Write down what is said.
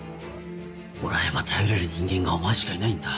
俺は今頼れる人間がお前しかいないんだ。